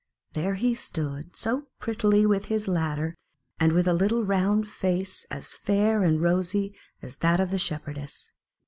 There he stood so prettily with his ladder,* and with a little round face as fair and as rosy as that of the Shepherdess.